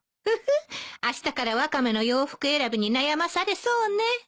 フフあしたからワカメの洋服選びに悩まされそうね。